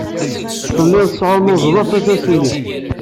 Telliḍ tesɛunnuẓeḍ afatas-nnek.